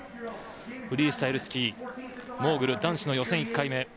フリースタイルスキーモーグル男子予選の１回目。